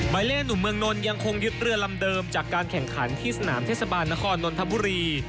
เล่นหนุ่มเมืองนนท์ยังคงยึดเรือลำเดิมจากการแข่งขันที่สนามเทศบาลนครนนทบุรี